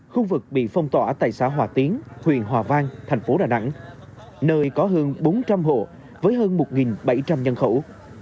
khu vực bị phong tỏa tại xã hòa tiến huyện hòa vang thành phố đà nẵng nơi có hơn bốn trăm linh hộ với hơn một bảy trăm linh nhân khẩu